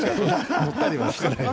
盛ったりはしてないです。